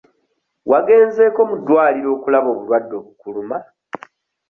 Wagenzeeko mu ddwaliro okulaba obulwadde obukuluma?